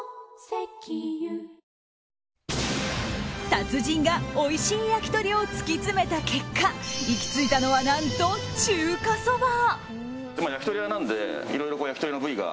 達人がおいしい焼き鳥を突き詰めた結果行き着いたのは何と中華そば。